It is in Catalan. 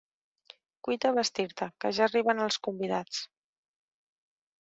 Cuita a vestir-te, que ja arriben els convidats.